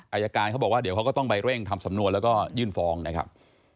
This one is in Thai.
อายการเขาบอกว่าเดี๋ยวเขาก็ต้องไปเร่งทำสำนวนแล้วก็ยื่นฟ้องนะครับ